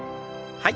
はい。